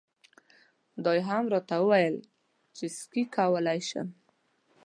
دا یې هم راته وویل چې سکی کولای شم.